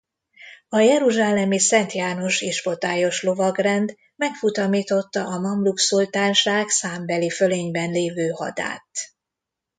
A Jeruzsálemi Szent János Ispotályos Lovagrend megfutamította a Mamlúk Szultánság számbeli fölényben lévő hadát.